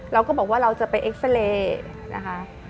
เราก็บอกว่าเราจะไปเอ็กซาเรย์นะคะ